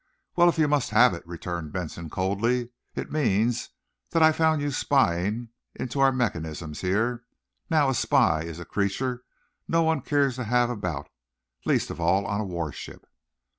"Well, if you must have it," returned Benson, coldly, "it means that I've found you spying into our mechanisms here. Now, a spy is a creature no one cares to have about least of all on a warship."